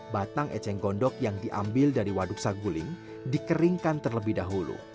batang eceng gondok yang diambil dari waduk saguling dikeringkan terlebih dahulu